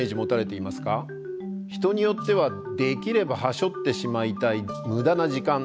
人によってはできればはしょってしまいたい無駄な時間。